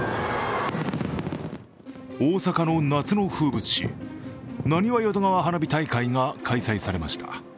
大阪の夏の風物詩、なにわ淀川花火大会が開催されました。